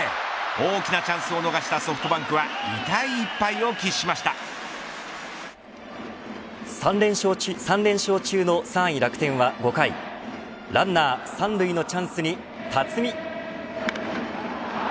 大きなチャンスを逃したソフトバンクは３連勝中の３位、楽天は５回ランナー三塁のチャンスに辰己。